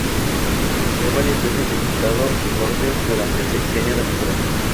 Fue varias veces diputado a Cortes durante el Sexenio Democrático.